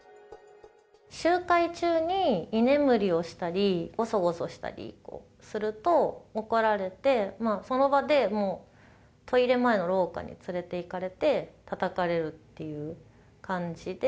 集会中に居眠りをしたり、ごそごそしたりすると怒られて、その場でもう、トイレ前の廊下に連れていかれてたたかれるっていう感じで。